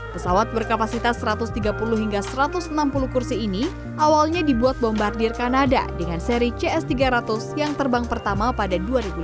pesawat berkapasitas satu ratus tiga puluh hingga satu ratus enam puluh kursi ini awalnya dibuat bombardir kanada dengan seri cs tiga ratus yang terbang pertama pada dua ribu lima belas